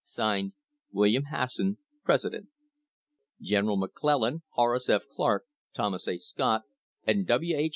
Signed William Hasson, President. General McClellan, Horace F. Clark, Thomas A. Scott, and W. H.